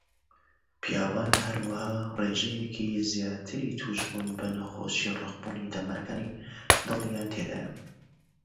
Men also have an increased incidence of atherosclerotic heart disease.